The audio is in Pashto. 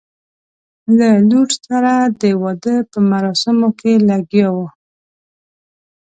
له لور سره د واده په مراسمو لګیا وو.